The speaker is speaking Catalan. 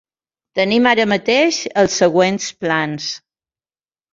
Tenim ara mateix els següents plans:.